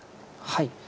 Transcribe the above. はい。